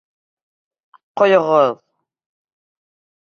Ҡойоғоҙ!..